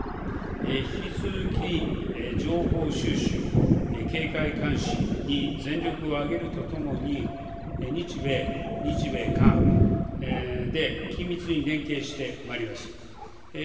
引き続き情報収集、警戒監視に全力を挙げるとともに日米、日米韓で緊密に連携してまいります。